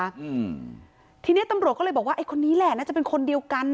อืมทีเนี้ยตำรวจก็เลยบอกว่าไอ้คนนี้แหละน่าจะเป็นคนเดียวกัน